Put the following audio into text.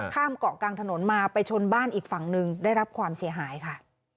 ข้ามเกาะกลางถนนมาไปชนบ้านอีกฝั่งหนึ่งได้รับความเสียหายค่ะ